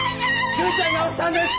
結ちゃんが押したんです！